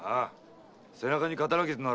背中に刀傷のある女だ。